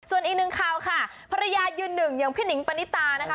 ส่วนอีกหนึ่งข่าวค่ะภรรยายืนหนึ่งอย่างพี่หนิงปณิตานะคะ